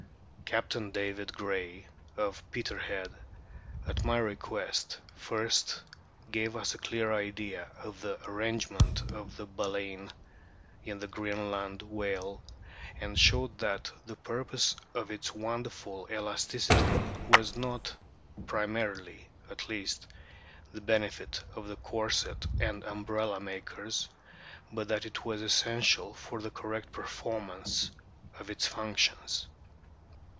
Captain David Gray, of Peterhead, at my request, first gave us a clear idea of the arrangement of the baleen in the Greenland whale, and showed that the purpose of its wonderful elas ticity was not, primarily at least, the benefit of the corset and umbrella makers, but that it was essential for the correct performance of its functions.